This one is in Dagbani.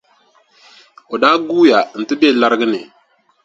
O daa guuya nti be lariga ni.